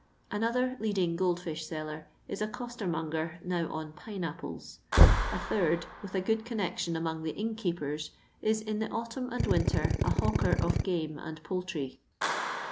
Another leading gold fish seller is a costermongcr now "on pine apples." A third, "with a good connection among the innkeepers/* is in the autumn and winter a hawker of game and poultry.